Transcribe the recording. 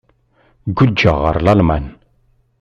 Guǧǧeɣ ɣer Lalman.